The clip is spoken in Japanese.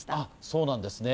そうなんですね。